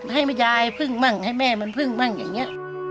ให้แม่ยายพึ่งมั่งให้แม่มันพึ่งมั่งอย่างนี้